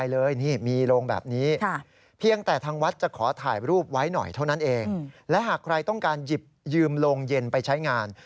และหากใครต้องการหยิบยืมโรงเย็นไปใช้งาน